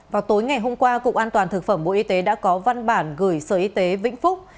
vào tối ngày hôm qua cục an toàn thực phẩm bộ y tế đã có văn bản gửi sở y tế vĩnh phúc